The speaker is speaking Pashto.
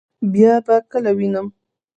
بیا به کله وینم؟